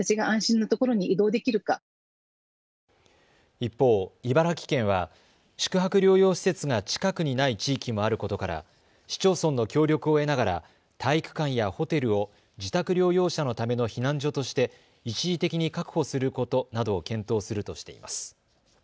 一方、茨城県は宿泊療養施設が近くにない地域もあることから市町村の協力を得ながら体育館やホテルを自宅療養者のための避難所として一時的に確保することなどを検討するとしています。